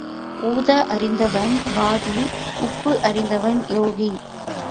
ஊத அறிந்தவன் வாதி, உப்பு அறிந்தவன் யோகி.